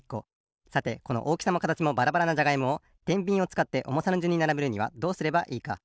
さてこのおおきさもかたちもばらばらなじゃがいもをてんびんをつかっておもさのじゅんにならべるにはどうすればいいか？